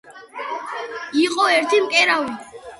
იყო ერთი მკერავი,